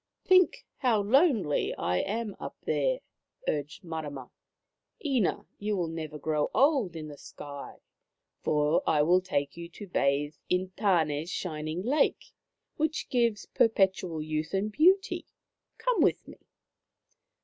" Think how lonely I am up there," urged Marama. " Ina, you will never grow old in the sky, for I will take you to bathe inTan6's shining lake, which gives perpetual youth and beauty. Come with me."